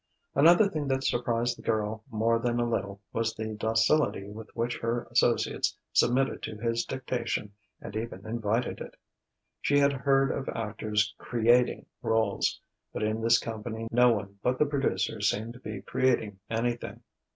Another thing that surprised the girl more than a little was the docility with which her associates submitted to his dictation and even invited it. She had heard of actors "creating" rôles; but in this company no one but the producer seemed to be creating anything.